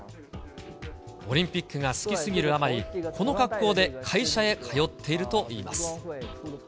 オリンピックが好きすぎるあまり、この格好で会社へ通っているといいます。